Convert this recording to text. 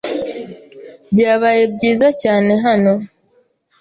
Byabaye byiza cyane hano.